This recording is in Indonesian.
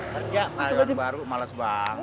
kerja baru males banget